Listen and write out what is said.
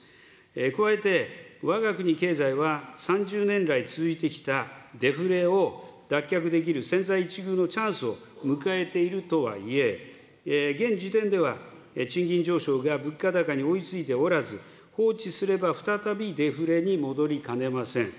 加えて、わが国経済は３０年来続いてきたデフレを脱却できる千載一遇のチャンスを迎えているとはいえ、現時点では賃金上昇が物価高に追いついておらず、放置すれば再びデフレに戻りかねません。